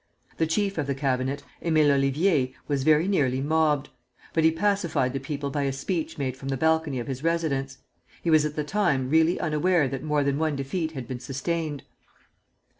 The chief of the cabinet, Émile Ollivier, was very nearly mobbed; but he pacified the people by a speech made from the balcony of his residence. He was at the time really unaware that more than one defeat had been sustained.